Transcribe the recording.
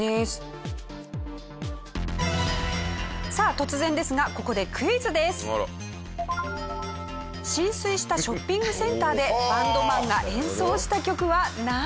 突然ですが浸水したショッピングセンターでバンドマンが演奏した曲はなんでしょうか？